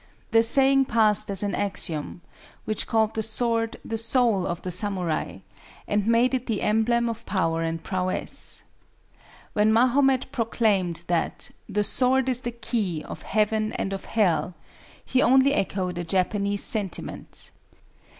The saying passed as an axiom which called THE SWORD THE SOUL OF THE SAMURAI, and made it the emblem of power and prowess. When Mahomet proclaimed that "The sword is the key of Heaven and of Hell," he only echoed a Japanese sentiment.